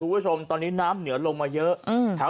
คุณผู้ชมตอนนี้น้ำเหนือลงมาเยอะ